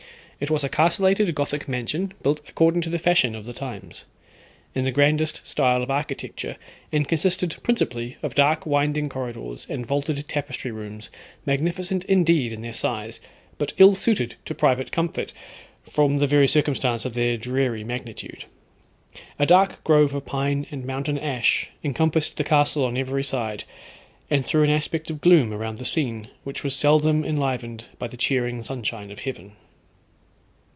It was a castellated, gothic mansion, built according to the fashion of the times, in the grandest style of architecture, and consisted principally of dark winding corridors, and vaulted tapestry rooms, magnificent indeed in their size, but ill suited to private comfort, from the very circumstance of their dreary magnitude. A dark grove of pine and mountain ash encompassed the castle on every side, and threw an aspect of gloom around the scene, which was seldom enlivened by the cheering sunshine of heaven.